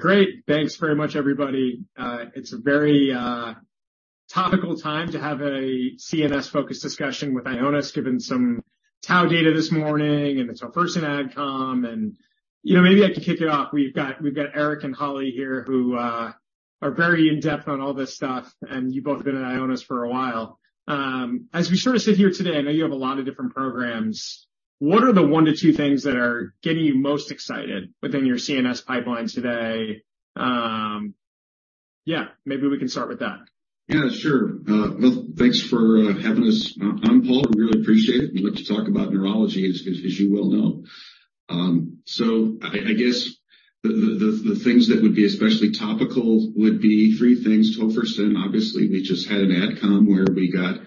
Great. Thanks very much, everybody. It's a very topical time to have a CNS-focused discussion with Ionis, given some tau data this morning and the tofersen AdCom. You know, maybe I can kick it off. We've got Eric and Holly here who are very in-depth on all this stuff, and you've both been at Ionis for a while. As we sort of sit here today, I know you have a lot of different programs. What are the one to two things that are getting you most excited within your CNS pipeline today? Yeah, maybe we can start with that. Yeah, sure. Well, thanks for having us on, Paul. We really appreciate it and love to talk about neurology as you well know. So I guess the things that would be especially topical would be three things. Tofersen, obviously. We just had an AdCom where we got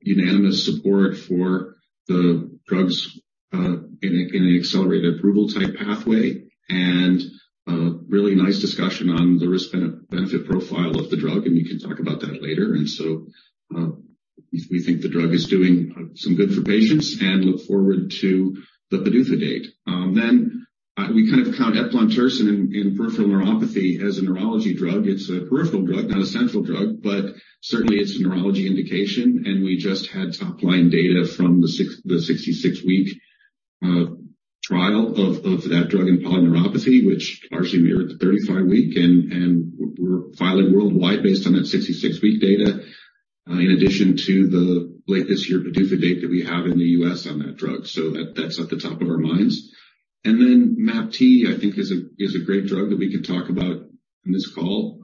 unanimous support for the drugs in an accelerated approval-type pathway, and a really nice discussion on the risk benefit profile of the drug, and we can talk about that later. So we think the drug is doing some good for patients and look forward to the PDUFA date. Then we kind of count eplontersen in peripheral neuropathy as a neurology drug. It's a peripheral drug, not a central drug, but certainly it's a neurology indication. We just had top-line data from the 66 week trial of that drug in polyneuropathy, which largely mirrored the 35 week, and we're filing worldwide based on that 66 week data, in addition to the late this year PDUFA date that we have in the U.S. on that drug. That's at the top of our minds. MAPT, I think is a great drug that we can talk about in this call,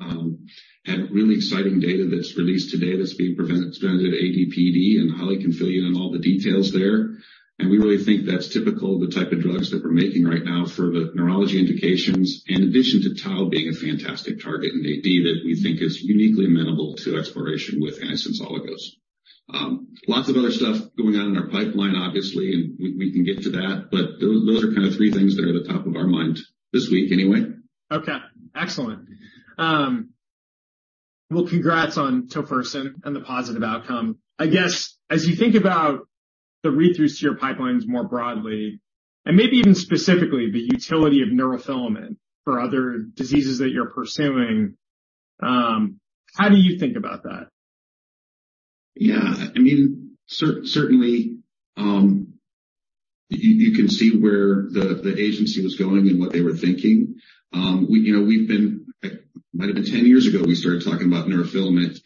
had really exciting data that's released today that's being presented at ADPD, and Holly can fill you in all the details there. We really think that's typical of the type of drugs that we're making right now for the neurology indications, in addition to tau being a fantastic target in AD that we think is uniquely amenable to exploration with antisense oligos. Lots of other stuff going on in our pipeline, obviously, and we can get to that, but those are kind of three things that are at the top of our mind this week anyway. Okay. Excellent. Well, congrats on Tofersen and the positive outcome. I guess, as you think about the readthroughs to your pipelines more broadly, maybe even specifically the utility of neurofilament for other diseases that you're pursuing, how do you think about that? Yeah. I mean, you can see where the agency was going and what they were thinking. We, you know, It might have been 10 years ago, we started talking about neurofilament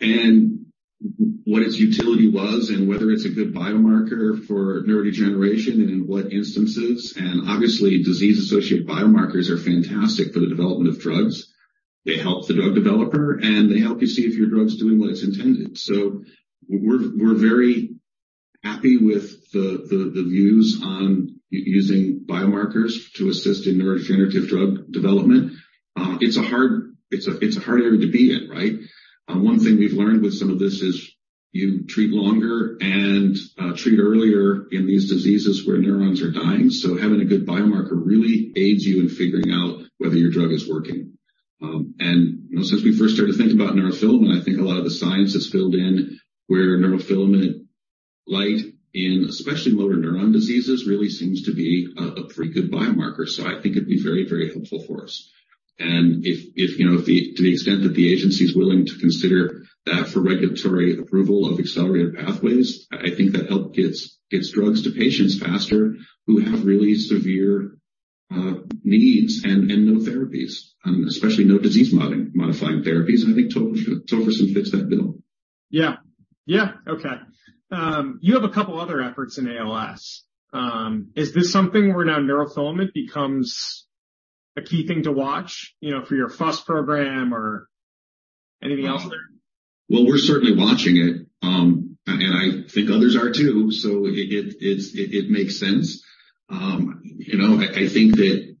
and what its utility was and whether it's a good biomarker for neurodegeneration and in what instances. Disease-associated biomarkers are fantastic for the development of drugs. They help the drug developer, and they help you see if your drug's doing what it's intended. We're, we're very happy with the views on using biomarkers to assist in neurogenerative drug development. It's a, it's a hard area to be in, right? One thing we've learned with some of this is you treat longer and treat earlier in these diseases where neurons are dying. Having a good biomarker really aids you in figuring out whether your drug is working. You know, since we first started to think about neurofilament, I think a lot of the science has filled in where neurofilament light in, especially motor neuron diseases, really seems to be a pretty good biomarker. I think it'd be very, very helpful for us. If, if, you know, to the extent that the agency is willing to consider that for regulatory approval of accelerated pathways, I think that help gets drugs to patients faster who have really severe needs and no therapies, especially no disease modifying therapies. I think Tofersen fits that bill. Yeah. Yeah. Okay. You have a couple other efforts in ALS. Is this something where now neurofilament becomes a key thing to watch, you know, for your FUS program or anything else there? Well, we're certainly watching it. I think others are too. It makes sense. You know, I think that,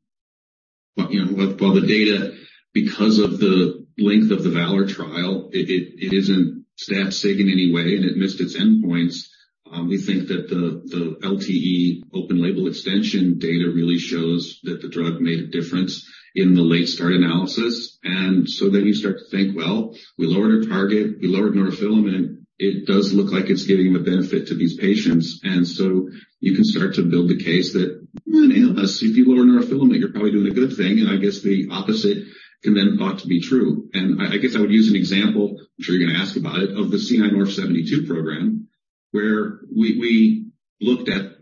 you know, while the data, because of the length of the VALOR trial, it isn't stat sig in any way, and it missed its endpoints. We think that the LTE open-label extension data really shows that the drug made a difference in the late start analysis. You start to think, well, we lowered our target, we lowered neurofilament. It does look like it's giving a benefit to these patients. You can start to build the case that in ALS, if you lower neurofilament, you're probably doing a good thing, I guess the opposite can then thought to be true. I guess I would use an example, I'm sure you're going to ask about it, of the C9orf72 program where we looked at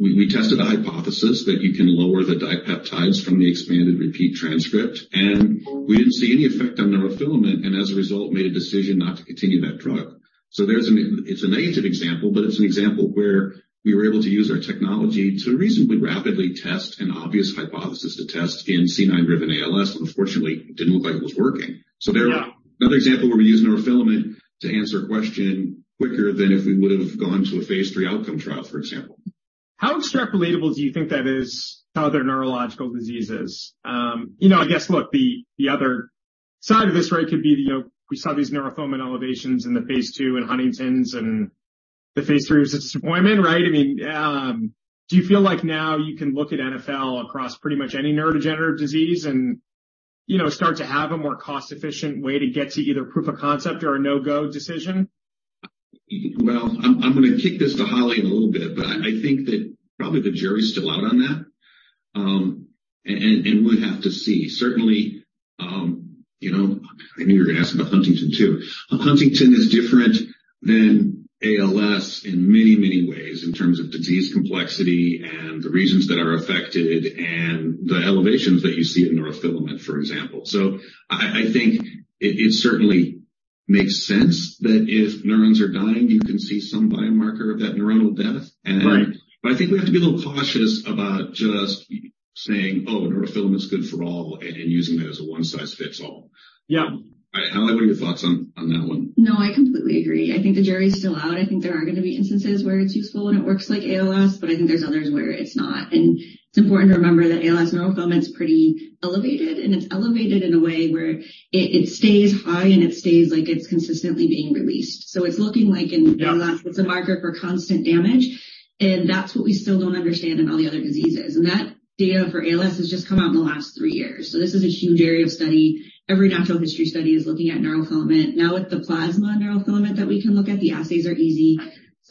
we tested a hypothesis that you can lower the dipeptides from the expanded repeat transcript. We didn't see any effect on neurofilament. As a result, made a decision not to continue that drug. There's a negative example, but it's an example where we were able to use our technology to reasonably rapidly test an obvious hypothesis to test in C9-driven ALS. Unfortunately, it didn't look like it was working. Yeah. There, another example where we use neurofilament to answer a question quicker than if we would have gone to a phase III outcome trial, for example. How extract relatable do you think that is to other neurological diseases? you know, I guess, look, the other side of this, right, could be the, you know, we saw these neurofilament elevations in the phase II in Huntington's and the phase III was a disappointment, right? I mean, do you feel like now you can look at NFL across pretty much any neurodegenerative disease and, you know, start to have a more cost-efficient way to get to either proof of concept or a no-go decision? Well, I'm gonna kick this to Holly in a little bit, but I think that probably the jury's still out on that. We'll have to see. Certainly, you know, I knew you were gonna ask about Huntington too. Huntington is different than ALS in many, many ways in terms of disease complexity and the regions that are affected and the elevations that you see in neurofilament, for example. I think it certainly makes sense that if neurons are dying, you can see some biomarker of that neuronal death and. Right. I think we have to be a little cautious about just saying, "Oh, neurofilament is good for all," and using that as a one-size-fits-all. Yeah. Holly, what are your thoughts on that one? No, I completely agree. I think the jury is still out. I think there are going to be instances where it's useful and it works like ALS, but I think there's others where it's not. It's important to remember that ALS neurofilament is pretty elevated, and it's elevated in a way where it stays high and it stays like it's consistently being released. It's looking like in ALS, it's a marker for constant damage, and that's what we still don't understand in all the other diseases. That data for ALS has just come out in the last three years. This is a huge area of study. Every natural history study is looking at neurofilament. Now, with the plasma neurofilament that we can look at, the assays are easy.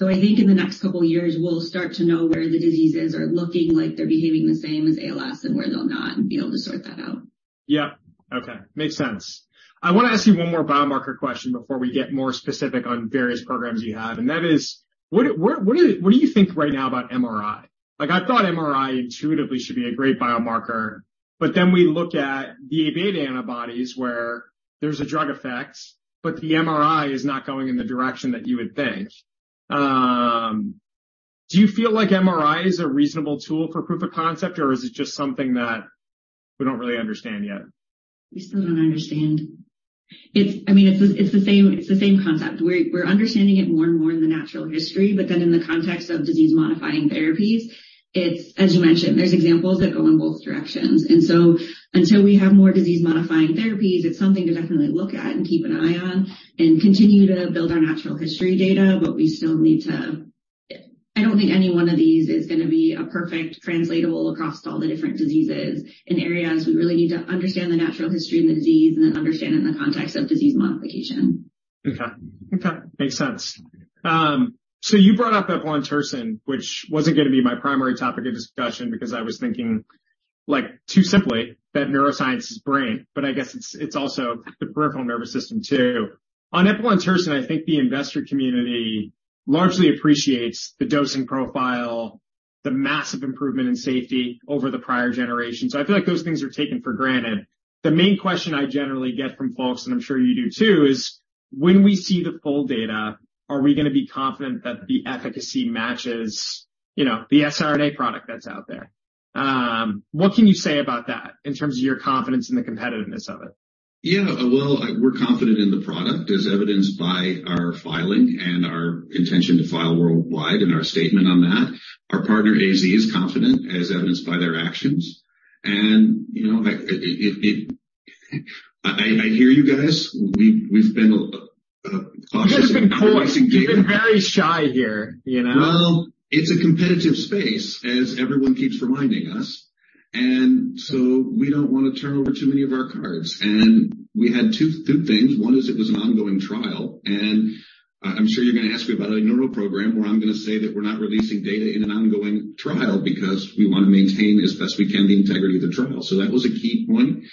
I think in the next couple of years, we'll start to know where the diseases are looking like they're behaving the same as ALS and where they'll not and be able to sort that out. Yeah. Okay. Makes sense. I want to ask you one more biomarker question before we get more specific on various programs you have, and that is: what do you think right now about MRI? Like, I thought MRI intuitively should be a great biomarker, but then we look at the Aβ antibodies where there's a drug effect, but the MRI is not going in the direction that you would think. Do you feel like MRI is a reasonable tool for proof of concept, or is it just something that we don't really understand yet? We still don't understand. I mean, it's the same concept. We're understanding it more and more in the natural history, in the context of disease-modifying therapies, it's, as you mentioned, there's examples that go in both directions. Until we have more disease-modifying therapies, it's something to definitely look at and keep an eye on and continue to build our natural history data. I don't think any one of these is gonna be a perfect translatable across all the different diseases and areas. We really need to understand the natural history of the disease, understand it in the context of disease modification. Okay. Okay. Makes sense. You brought up eplontersen, which wasn't gonna be my primary topic of discussion because I was thinking, like, too simply that neuroscience is brain, but I guess it's also the peripheral nervous system too. On eplontersen, I think the investor community largely appreciates the dosing profile, the massive improvement in safety over the prior generation. I feel like those things are taken for granted. The main question I generally get from folks, and I'm sure you do too, is when we see the full data, are we gonna be confident that the efficacy matches, you know, the siRNA product that's out there? What can you say about that in terms of your confidence in the competitiveness of it? Yeah. Well, we're confident in the product as evidenced by our filing and our intention to file worldwide and our statement on that. Our partner AstraZeneca is confident, as evidenced by their actions. You know, I hear you guys. We've been cautious in releasing data. You've been very shy here, you know? Well, it's a competitive space, as everyone keeps reminding us. So we don't want to turn over too many of our cards. We had two things. One is it was an ongoing trial. I'm sure you're going to ask me about a neural program where I'm going to say that we're not releasing data in an ongoing trial because we want to maintain, as best we can, the integrity of the trial. So that was a key point.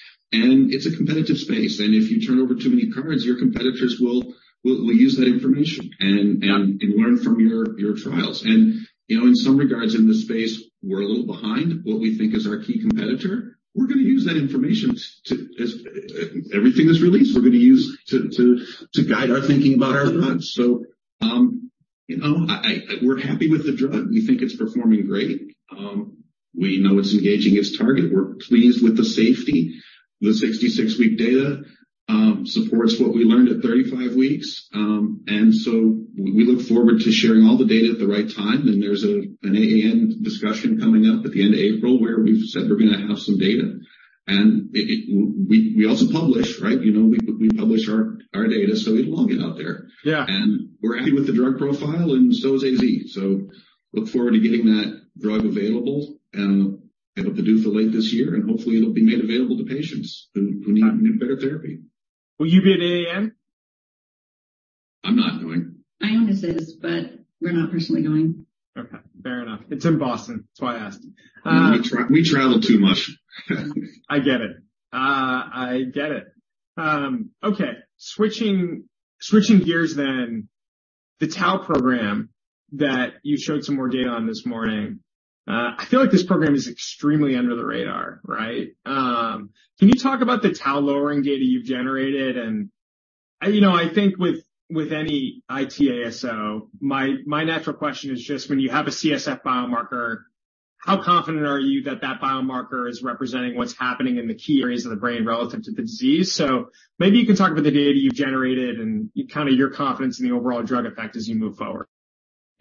It's a competitive space. If you turn over too many cards, your competitors will use that information and learn from your trials. You know, in some regards in this space, we're a little behind what we think is our key competitor. We're going to use that information as everything is released, we're going to use to guide our thinking about our drugs. You know, we're happy with the drug. We think it's performing great. We know it's engaging its target. We're pleased with the safety. The 66 week data supports what we learned at 35 weeks. We look forward to sharing all the data at the right time. There's an AAN discussion coming up at the end of April where we've said we're going to have some data. We also publish, right? You know, we publish our data, so it'll all get out there. Yeah. We're happy with the drug profile and so is AstraZeneca. Look forward to getting that drug available and have a PDUFA late this year, and hopefully it'll be made available to patients who need better therapy. Will you be at AAN? I'm not going. Ionis is, but we're not personally going. Okay. Fair enough. It's in Boston, that's why I asked. We travel too much. I get it. I get it. Okay, switching gears then. The tau program that you showed some more data on this morning. I feel like this program is extremely under the radar, right? Can you talk about the tau lowering data you've generated? You know, I think with any ASO, my natural question is just when you have a CSF biomarker, how confident are you that that biomarker is representing what's happening in the key areas of the brain relative to the disease? Maybe you can talk about the data you've generated and kind of your confidence in the overall drug effect as you move forward.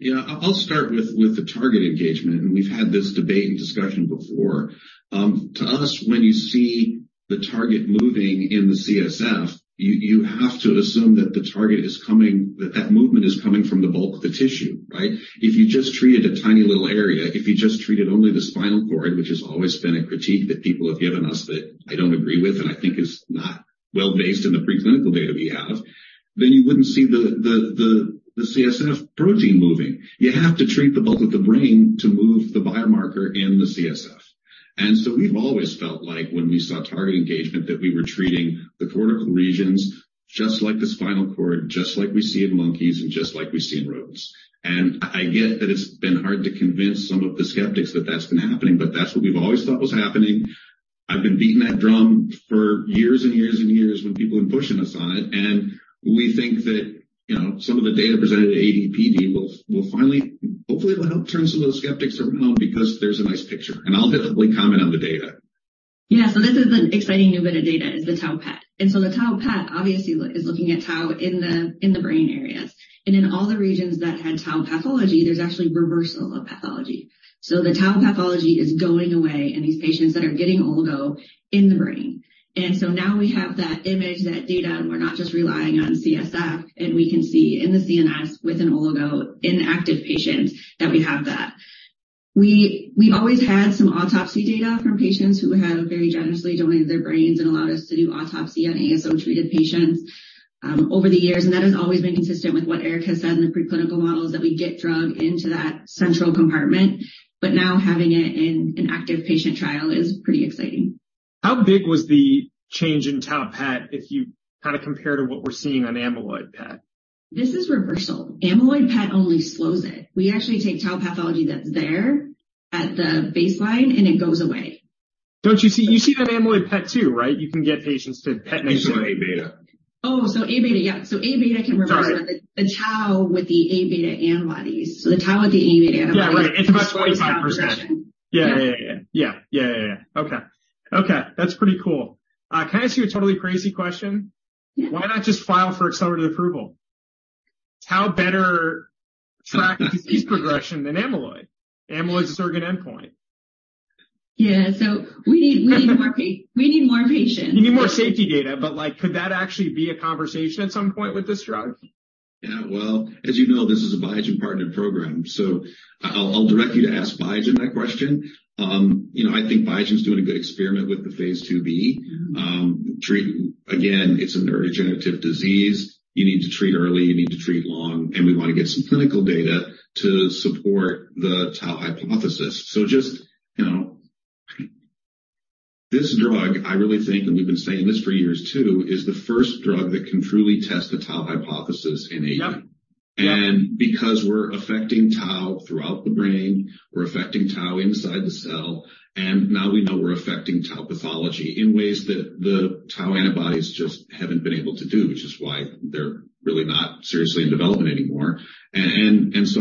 Yeah. I'll start with the target engagement, We've had this debate and discussion before. To us, when you see the target moving in the CSF, you have to assume that that movement is coming from the bulk of the tissue, right? If you just treated a tiny little area, if you just treated only the spinal cord, which has always been a critique that people have given us that I don't agree with and I think is not well-based in the preclinical data we have. You wouldn't see the CSF protein moving. You have to treat the bulk of the brain to move the biomarker in the CSF. We've always felt like when we saw target engagement that we were treating the cortical regions just like the spinal cord, just like we see in monkeys and just like we see in rodents. I get that it's been hard to convince some of the skeptics that that's been happening, but that's what we've always thought was happening. I've been beating that drum for years and years and years when people have been pushing us on it. We think that, you know, some of the data presented at ADPD will finally, hopefully will help turn some of those skeptics around because there's a nice picture, and I'll definitely comment on the data. Yeah. This is an exciting new bit of data, is the tau PET. The tau PET obviously is looking at tau in the brain areas. In all the regions that had tau pathology, there's actually reversal of pathology. The tau pathology is going away in these patients that are getting oligo in the brain. Now we have that image, that data, and we're not just relying on CSF, and we can see in the CNS with an oligo in active patients that we have that. We've always had some autopsy data from patients who have very generously donated their brains and allowed us to do autopsy on ASO-treated patients over the years. That has always been consistent with what Eric has said in the preclinical models, that we get drug into that central compartment, but now having it in an active patient trial is pretty exciting. How big was the change in tau PET if you kinda compare to what we're seeing on amyloid PET? This is reversal. Amyloid PET only slows it. We actually take tau pathology that's there at the baseline, and it goes away. You see that amyloid PET too, right? You can get patients to PET negative. You see Aβ. Aβ, yeah. Aβ can reverse. Got it. The tau with the Aβ antibodies. Yeah. Right. It's about 45%. Slows tau progression. Yeah, yeah. Yeah. Yeah, yeah. Okay. Okay. That's pretty cool. Can I ask you a totally crazy question? Yeah. Why not just file for accelerated approval? Tau better tracks disease progression than amyloid. Amyloid is a surrogate endpoint. Yeah. We need more patients. You need more safety data. Like, could that actually be a conversation at some point with this drug? Yeah. Well, as you know, this is a Biogen partnered program, so I'll direct you to ask Biogen that question. You know, I think Biogen is doing a good experiment with the phase IIb, Again, it's a neurodegenerative disease. You need to treat early, you need to treat long, and we wanna get some clinical data to support the tau hypothesis. Just, you know, this drug, I really think, and we've been saying this for years too, is the first drug that can truly test the tau hypothesis in AD. Yep. Yep. Because we're affecting tau throughout the brain, we're affecting tau inside the cell, and now we know we're affecting tau pathology in ways that the tau antibodies just haven't been able to do, which is why they're really not seriously in development anymore.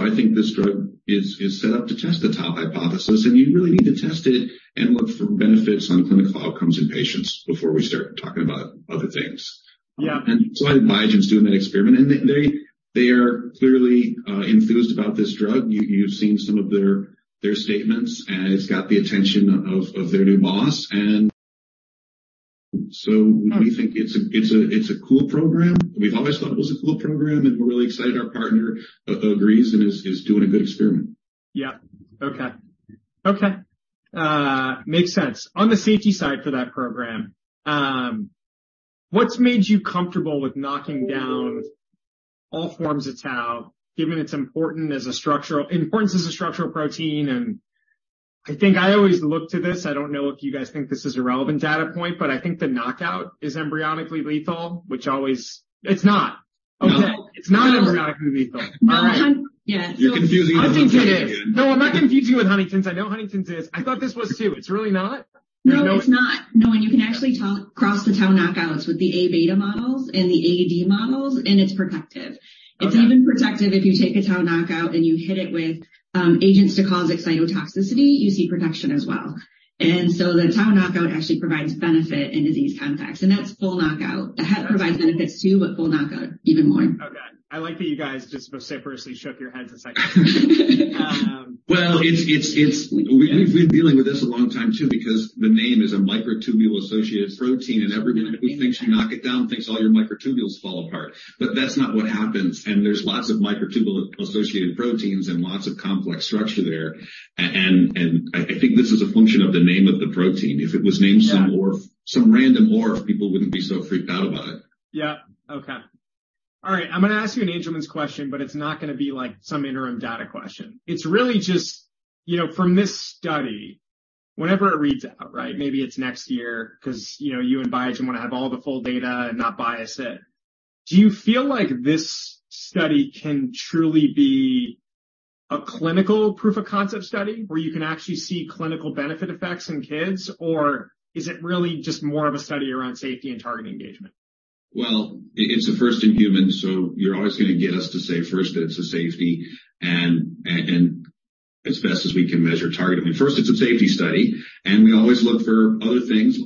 I think this drug is set up to test the tau hypothesis, and you really need to test it and look for benefits on clinical outcomes in patients before we start talking about other things. Yeah. I think Biogen is doing that experiment, and they are clearly enthused about this drug. You've seen some of their statements, and it's got the attention of their new boss. We think it's a cool program. We've always thought it was a cool program, and we're really excited our partner agrees and is doing a good experiment. Yeah. Okay. Okay. Makes sense. On the safety side for that program, what's made you comfortable with knocking down all forms of tau, given its importance as a structural protein and I think I always look to this, I don't know if you guys think this is a relevant data point, but I think the knockout is embryonically lethal, which always. It's not? No. Okay. It's not embryonically lethal. No. All right. Yeah. You're confusing it with Huntington. No, I'm not confusing with Huntington's. I know Huntington's is. I thought this was too. It's really not? No, it's not. No. You can actually cross the tau knockouts with the Aβ models and the AD models, and it's protective. Okay. It's even protective if you take a tau knockout and you hit it with agents to cause excitotoxicity, you see protection as well. The tau knockout actually provides benefit in disease contexts, and that's full knockout. The het provides benefits too, but full knockout even more. Okay. I like that you guys just reciprocally shook your heads a second ago. We've been dealing with this a long time too because the name is a microtubule-associated protein, and everybody who thinks you knock it down thinks all your microtubules fall apart. That's not what happens. There's lots of microtubule-associated proteins and lots of complex structure there. I think this is a function of the name of the protein. If it was named some random orf, people wouldn't be so freaked out about it. Yeah. Okay. All right. I'm gonna ask you an Angelman's question, but it's not gonna be like some interim data question. It's really just, you know, from this study, whenever it reads out, right? Maybe it's next year 'cause, you know, you and Biogen want to have all the full data and not bias it. Do you feel like this study can truly be a clinical proof of concept study where you can actually see clinical benefit effects in kids, or is it really just more of a study around safety and target engagement? It's a first in human, so you're always gonna get us to say first that it's a safety and as best as we can measure target. I mean, first it's a safety study, and we always look for other things,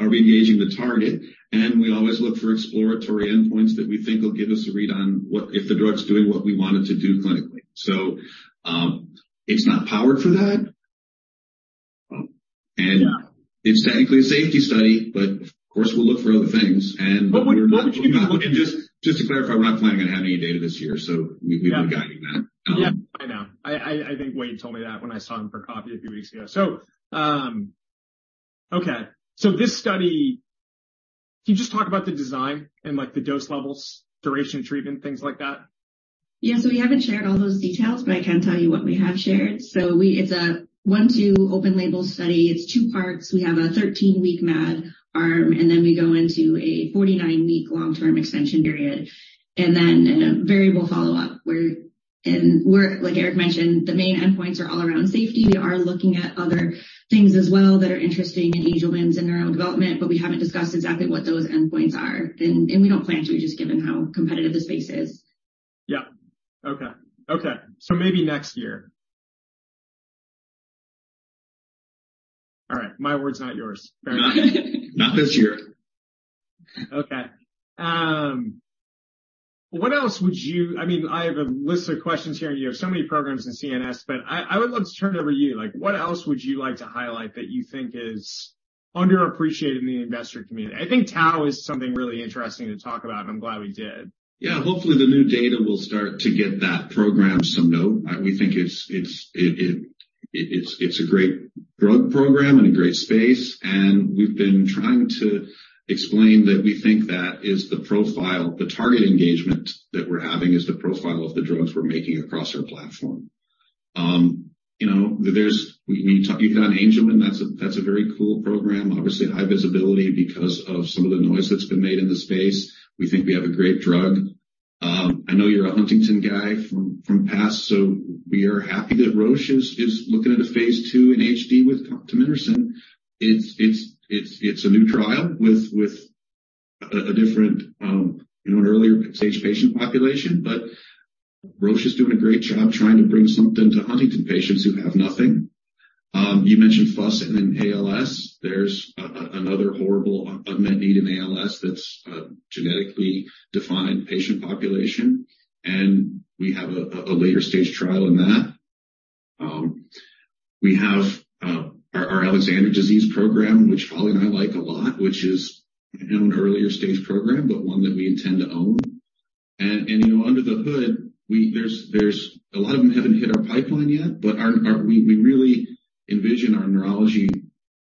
are we engaging the target, and we always look for exploratory endpoints that we think will give us a read on what if the drug's doing what we want it to do clinically. It's not powered for that. Yeah. It's technically a safety study, but of course, we'll look for other things. What would you? Just to clarify, we're not planning on having any data this year, so we've been guiding that. Yeah, I know. I think Wade told me that when I saw him for coffee a few weeks ago. Okay. This study, can you just talk about the design and like the dose levels, duration of treatment, things like that? Yeah. We haven't shared all those details, but I can tell you what we have shared. It's a one to two open-label study. It's two parts. We have a 13-week MAD arm, then we go into a 49-week long-term extension period. A variable follow-up like Eric mentioned, the main endpoints are all around safety. We are looking at other things as well that are interesting in Angelman's and neuronal development, but we haven't discussed exactly what those endpoints are. We don't plan to, just given how competitive the space is. Yeah. Okay. Okay. Maybe next year. All right. My word's not yours. Fair enough. Not, not this year. Okay. I mean, I have a list of questions here, and you have so many programs in CNS, but I would love to turn it over to you. Like, what else would you like to highlight that you think is underappreciated in the investor community? I think tau is something really interesting to talk about, and I'm glad we did. Yeah. Hopefully, the new data will start to get that program some note. We think it's a great drug program and a great space. We've been trying to explain that we think that is the profile, the target engagement that we're having is the profile of the drugs we're making across our platform. you know, you've done Angelman. That's a, that's a very cool program. Obviously high visibility because of some of the noise that's been made in the space. We think we have a great drug. I know you're a Huntington guy from past. We are happy that Roche is looking at a phase II in HD with tominersen. It's a new trial with a different, you know, an earlier stage patient population. Roche is doing a great job trying to bring something to Huntington patients who have nothing. You mentioned FUS and then ALS. There's another horrible unmet need in ALS that's a genetically defined patient population, and we have a later stage trial in that. We have our Alexander disease program, which Holly and I like a lot, which is, you know, an earlier stage program, but one that we intend to own. You know, under the hood, there's a lot of them haven't hit our pipeline yet, but our we really envision our neurology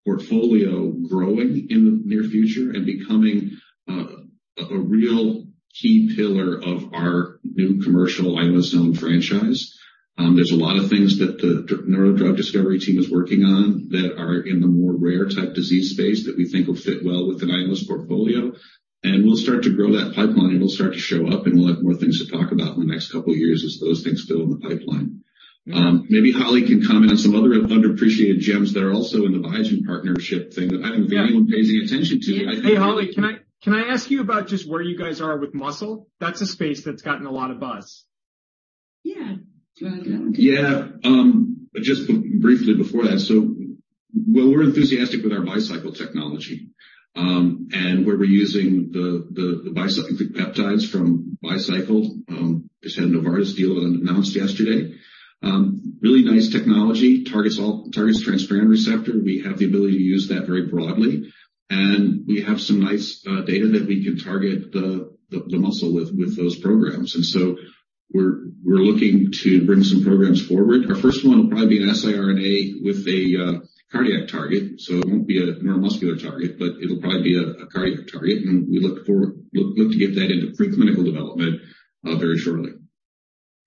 portfolio growing in the near future and becoming a real key pillar of our new commercial Ionis' own franchise. There's a lot of things that the neuro drug discovery team is working on that are in the more rare type disease space that we think will fit well with an Ionis portfolio. We'll start to grow that pipeline, and it'll start to show up, and we'll have more things to talk about in the next two years as those things fill in the pipeline. Maybe Holly can comment on some other underappreciated gems that are also in the Biogen partnership thing that I think anyone paying attention to. Hey, Holly, can I ask you about just where you guys are with muscle? That's a space that's gotten a lot of buzz. Yeah. Do you want to get on with it? Yeah. Just briefly before that. Well, we're enthusiastic with our Bicycle technology, and where we're using the bicyclic peptides from Bicycle. Just had a Novartis deal announced yesterday. Really nice technology. Targets transferrin receptor. We have the ability to use that very broadly, and we have some nice data that we can target the muscle with those programs. We're, we're looking to bring some programs forward. Our first one will probably be an siRNA with a cardiac target. So it won't be a neuromuscular target, but it'll probably be a cardiac target. We look to get that into preclinical development very shortly.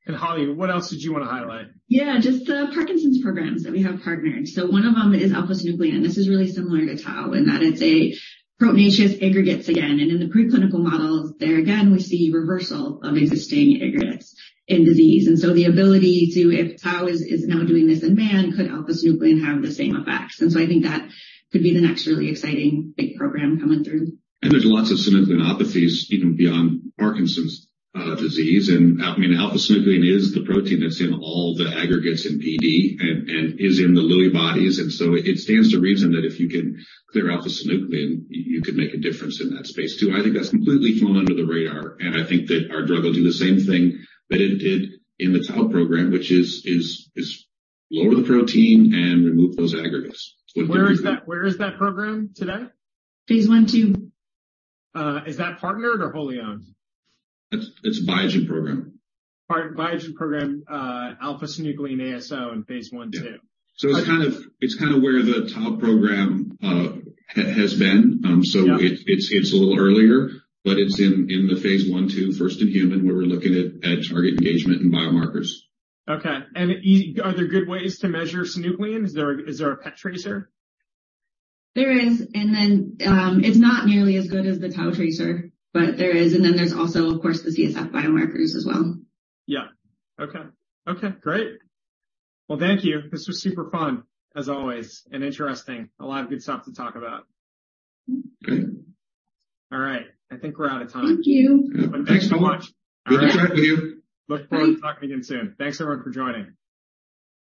Holly, what else did you want to highlight? Yeah, just the Parkinson's programs that we have partnered. One of them is alpha-synuclein. This is really similar to tau in that it's a proteinaceous aggregates again, and in the preclinical models, there again, we see reversal of existing aggregates in disease. The ability to, if tau is now doing this in man, could alpha-synuclein have the same effects? I think that could be the next really exciting big program coming through. There's lots of synucleinopathies even beyond Parkinson's disease. I mean, alpha-synuclein is the protein that's in all the aggregates in PD and is in the Lewy bodies. It stands to reason that if you can clear alpha-synuclein, you could make a difference in that space, too. I think that's completely flown under the radar, and I think that our drug will do the same thing that it did in the tau program, which is lower the protein and remove those aggregates. Where is that program today? Phase I/II. Is that partnered or wholly owned? It's Biogen program. Part Biogen program, alpha-synuclein ASO in phase I/II. Yeah. It's kind of where the tau program has been. Yeah. It's a little earlier, but it's in the phase I/II, first in human, where we're looking at target engagement and biomarkers. Okay. Are there good ways to measure synuclein? Is there a PET tracer? There is. It's not nearly as good as the tau tracer, but there is. There's also, of course, the CSF biomarkers as well. Yeah. Okay. Okay, great. Thank you. This was super fun, as always, and interesting. A lot of good stuff to talk about. Great. All right. I think we're out of time. Thank you. Thanks so much. Good chatting with you. Look forward to talking again soon. Thanks, everyone, for joining.